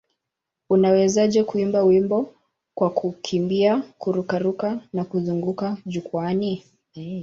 Unawezaje kuimba wimbo kwa kukimbia, kururuka na kuzunguka jukwaani?